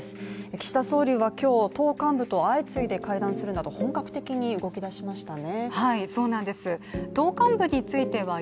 岸田総理は今日、党幹部と相次いで会談するなど、本格的に動き出しましたね。